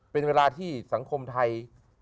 เป็นเวลาที่สังคมไทย